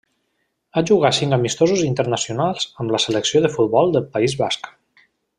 Ha jugat cinc amistosos internacionals amb la selecció de futbol del País Basc.